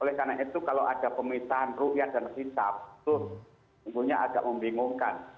oleh karena itu kalau ada pemisahan rukyat dan hisap itu agak membingungkan